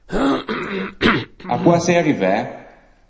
À che oa sei arrivæ?